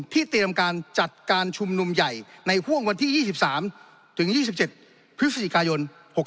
เตรียมการจัดการชุมนุมใหญ่ในห่วงวันที่๒๓ถึง๒๗พฤศจิกายน๖๖